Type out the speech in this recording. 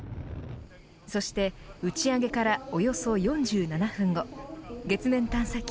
そして打ち上げからおよそ４７分後月面探査機